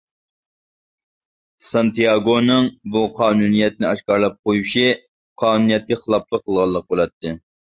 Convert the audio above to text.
سانتىياگونىڭ بۇ قانۇنىيەتنى ئاشكارىلاپ قويۇشى قانۇنىيەتكە خىلاپلىق قىلغانلىق بولاتتى.